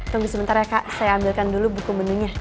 tunggu sebentar ya kak saya ambilkan dulu buku menunya